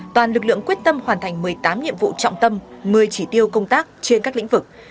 toàn lực lượng quyết tâm hoàn thành một mươi tám nhiệm vụ trọng tâm một mươi chỉ tiêu công tác trên các lĩnh vực